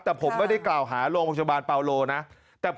แต่ผมไม่ได้กล่าวหาโรงพยาบาลปาโลนะ